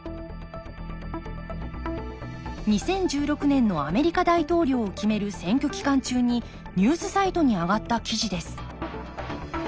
２０１６年のアメリカ大統領を決める選挙期間中にニュースサイトに上がった記事です